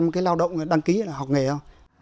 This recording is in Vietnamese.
cái lao động đăng ký là học nghề thôi